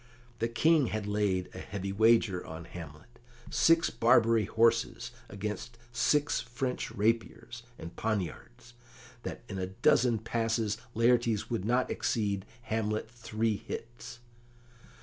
The King had laid a heavy wager on Hamlet six Barbary horses against six French rapiers and poniards, that in a dozen passes Laertes would not exceed Hamlet three hits.